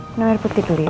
minum air putih dulu ya